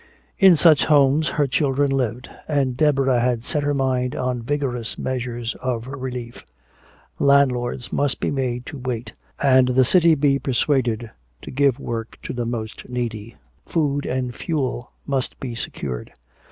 In such homes her children lived. And Deborah had set her mind on vigorous measures of relief. Landlords must be made to wait and the city be persuaded to give work to the most needy, food and fuel must be secured.